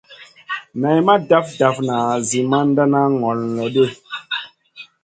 Nay ma daf dafna zi mandan ŋol lo ɗi.